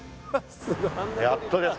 やっとです。